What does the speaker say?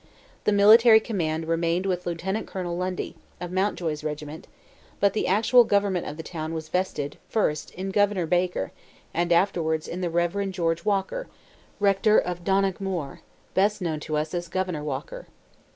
The military command remained with Lieutenant Colonel Lundy, of Mountjoy's regiment, but the actual government of the town was vested, first, in "Governor" Baker, and afterwards in the Reverend George Walker, rector of Donaghmore, best known to us as Governor Walker.